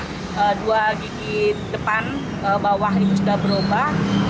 kambing sudah berubah dua gigi depan bawah itu sudah berubah